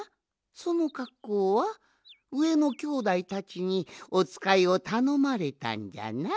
そのかっこうはうえのきょうだいたちにおつかいをたのまれたんじゃな？